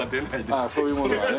ああそういうものはね。